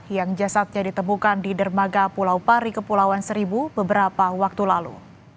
yang jasadnya ditemukan di dermaga pulau pari kepulauan seribu beberapa waktu lalu